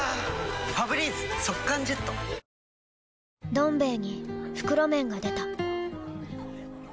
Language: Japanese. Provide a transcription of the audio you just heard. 「どん兵衛」に袋麺が出た